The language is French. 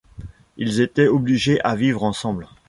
Ils étaient obligés à vivre ensemble.